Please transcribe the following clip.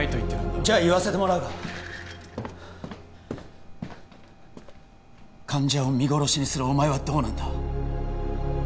じゃあ言わせてもらうが患者を見殺しにするお前はどうなんだ